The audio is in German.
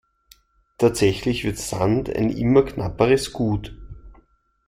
Tatsächlich wird Sand ein immer knapperes Gut.